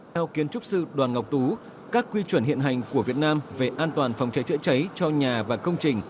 theo kiến trúc sư đoàn ngọc tú các quy chuẩn hiện hành của việt nam về an toàn phòng cháy chữa cháy cho nhà và công trình